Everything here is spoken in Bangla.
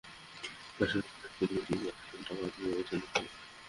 পাশাপাশি প্রতিষ্ঠান তিনটির কাছ থেকে টাকা আদায়ের ব্যবস্থা নিতে অনুরোধ জানিয়েছে।